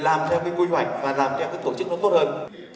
và làm theo cái tổ chức nó tốt hơn